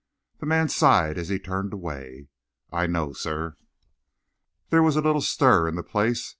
The man sighed as he turned away. "I know, sir." Then there was a little stir in the place.